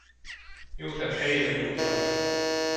Jótett helyébe jót várj.